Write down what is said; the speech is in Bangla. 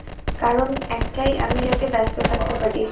কারণ একটাই, আমি যাতে ব্যস্ত থাকতে পারি।